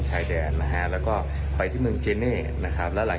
ชายแดนนะฮะแล้วก็ไปที่เมืองเจเน่นะครับแล้วหลัง